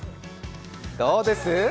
どうです？